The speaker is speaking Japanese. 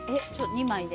２枚で？